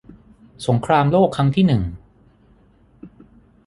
สงครามโลกครั้งที่หนึ่ง